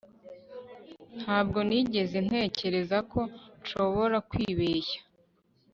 Ntabwo nigeze ntekereza ko nshobora kwibeshya